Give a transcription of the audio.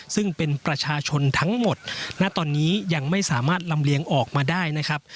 ซึ่งเป็นประชาชนทั้งหมดณตอนนี้ยังไม่สามารถลำเลียงออกมาได้นะครับ